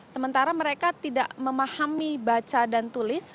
sementara mereka tidak memahami baca dan tulis